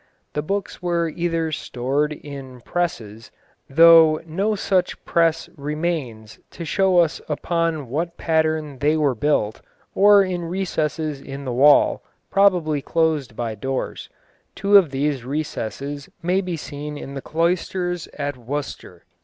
The books were either stored in presses, though no such press remains to show us upon what pattern they were built, or in recesses in the wall, probably closed by doors. Two of these recesses may be seen in the cloisters at Worcester.